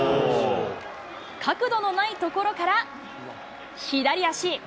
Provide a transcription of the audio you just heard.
角度のない所から、左足。